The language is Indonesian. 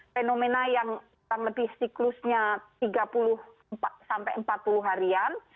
fenomena yang kurang lebih siklusnya tiga puluh sampai empat puluh harian